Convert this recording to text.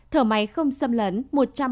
thở ô xy dòng cao hfnc năm trăm năm mươi một ca